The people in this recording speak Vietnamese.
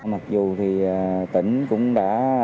mặc dù thì tỉnh cũng đã